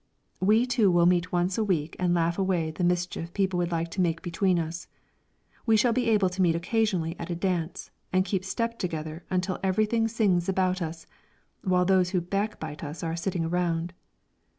We two will meet once a week and laugh away the mischief people would like to make between us; we shall be able to meet occasionally at a dance, and keep step together until everything sings about us, while those who backbite us are sitting around.